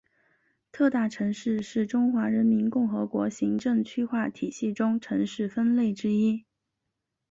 特大城市是中华人民共和国行政区划体系中城市分类之一。